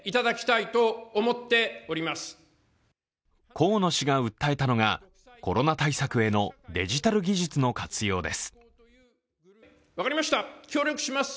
河野氏が訴えたのが、コロナ対策へのデジタル技術の活用です。